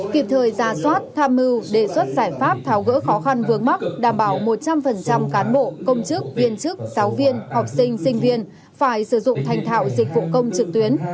kịp thời ra soát tham mưu đề xuất giải pháp tháo gỡ khó khăn vướng mắt đảm bảo một trăm linh cán bộ công chức viên chức giáo viên học sinh sinh viên phải sử dụng thành thạo dịch vụ công trực tuyến